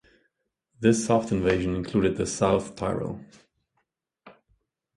This soft invasion included the South Tyrol.